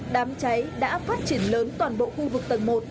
đám cháy đã phát triển lớn toàn bộ khu vực tầng một